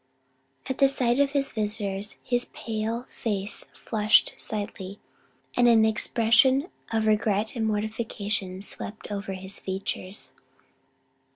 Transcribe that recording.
At sight of his visitors his pale face flushed slightly, and an expression of regret and mortification swept over his features.